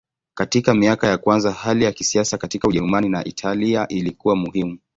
Katika miaka ya kwanza hali ya kisiasa katika Ujerumani na Italia ilikuwa muhimu.